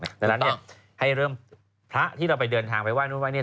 ถูกต้องดังนั้นเนี่ยให้เริ่มพระที่เราไปเดินทางไปไหว้นู่นไหว้เนี่ย